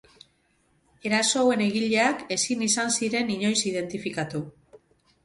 Eraso hauen egileak ezin izan ziren inoiz identifikatu.